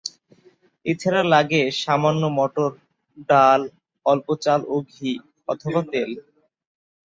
এছাড়া লাগে সামান্য মটর ডাল, অল্প চাল ও ঘি অথবা তেল।